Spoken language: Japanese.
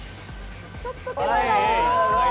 ちょっと手前だおおい。